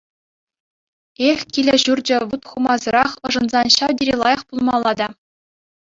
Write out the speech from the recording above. Эх, килӗ-ҫурчӗ вут хутмасӑрах ӑшӑнсан ҫав тери лайӑх пулмалла та.